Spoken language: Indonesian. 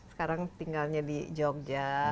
sekarang tinggalnya di jogja